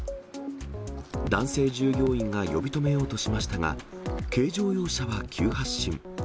男性従業員が呼び止めようとしましたが、軽乗用車は急発進。